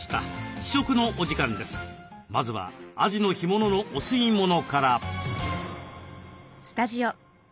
まずはアジの干物のお吸い物から。